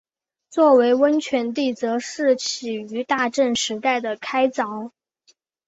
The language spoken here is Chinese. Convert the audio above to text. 作为温泉地则是起于大正时代的开凿。